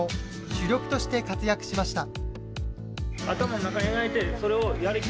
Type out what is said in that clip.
主力として活躍しました。